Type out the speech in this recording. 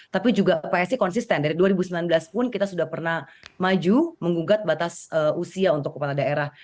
tapi juga psi konsisten dari dua ribu sembilan belas pun kita sudah pernah maju mengugat batas usia untuk kepala daerah